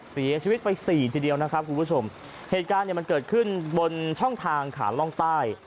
เสียชีวิตไปสี่ทีเดียวนะครับคุณผู้ชมเหตุการณ์เนี่ยมันเกิดขึ้นบนช่องทางขาล่องใต้